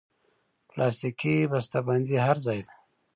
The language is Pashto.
پلاستيکي بستهبندي هر ځای ده.